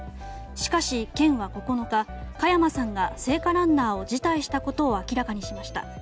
しかし、県は９日加山さんが聖火ランナーを辞退したことを明らかにしました。